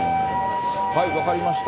分かりました。